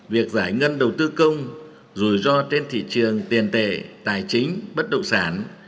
việc giải ngân đầu tư công rủi ro trên thị trường tiền tệ tài chính bất động sản